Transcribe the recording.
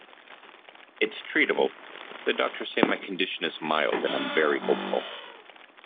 It's treatable - the doctors say my condition is mild and I'm very hopeful.